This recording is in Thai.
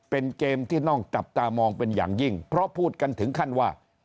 เป็นเกมที่ต้องจับตามองเป็นอย่างยิ่งเพราะพูดกันถึงขั้นว่า